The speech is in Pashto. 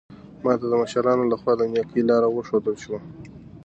ما ته د مشرانو لخوا د نېکۍ لار وښودل شوه.